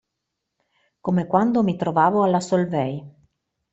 Come quando mi trovavo alla Solvay.